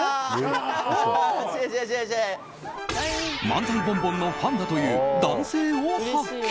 漫才小爺のファンだという男性を発見。